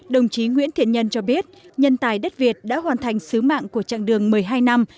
đồng chí nguyễn thiện nhân cho biết nhân tài đất việt đã hoàn thành sứ mạng của chặng đường một mươi hai năm